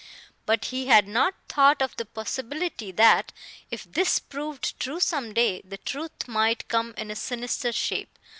But he had not thought of the possibility that, if this proved true some day, the truth might come in a sinister shape.